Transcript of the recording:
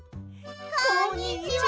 こんにちは！